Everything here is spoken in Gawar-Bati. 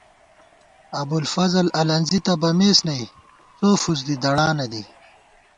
ابُوالفضل الَنزی تہ بمېس نئ، څو فُسدِی دڑانہ دی